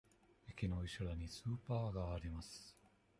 駅のうしろにスーパーがあります。